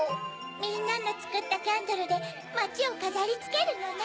みんなのつくったキャンドルでまちをかざりつけるのね。